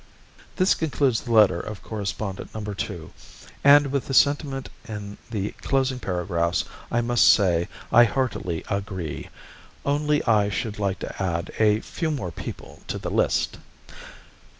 This concludes the letter of correspondent No. 2, and with the sentiment in the closing paragraphs I must say I heartily agree only I should like to add a few more people to the list.